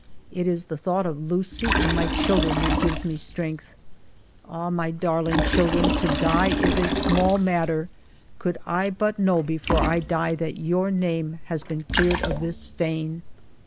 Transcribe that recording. It is the thought of Lucie and my children that gives me strength. Ah, my darling children, to die is a small mat ter, could I but know before I die that your name had been cleared of this stain